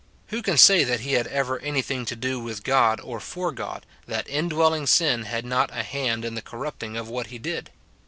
Who can say that he had ever anything to do with God or for God, that indwelling sin had not a hand in the corrupting of what he did